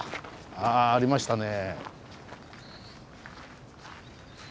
あありましたね。